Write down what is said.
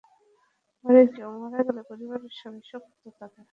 বাড়ির কেউ মারা গেলে পরিবারের সাবই শোকাহত থাকে।